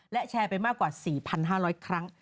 และแชร์ไปมากกว่า๔๕๐๐ครั้ง